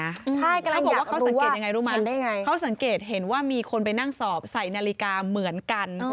อาจารย์เขาก็สังเกตทำไมนาฬิกาเหมือนกัน